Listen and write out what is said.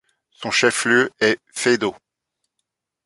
Son chef-lieu est Faido.